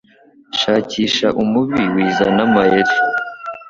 Shakisha ububi wi zana amayeri